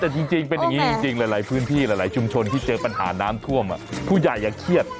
อ้อแต่จริงชุมชนที่เจอปัญหาน้ำท่วมผู้ใหญ่อยากเครียด